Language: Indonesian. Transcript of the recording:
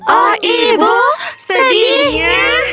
oh ibu sedihnya